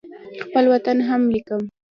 خپل وطن هم لیکم.